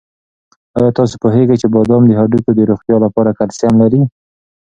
آیا تاسو پوهېږئ چې بادام د هډوکو د روغتیا لپاره کلسیم لري؟